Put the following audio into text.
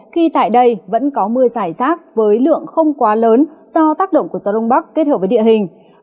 khi tại đây vẫn có mưa giải rác với lượng không quá lớn do tác động của gió đông bắc kết hợp với địa hình